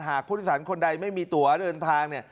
หากผู้โดยสารคนใดไม่มีตัวเดินทาง